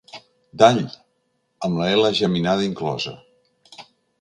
D'all, amb ela geminada inclosa.